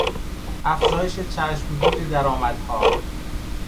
افزایش چشمگیر درآمدها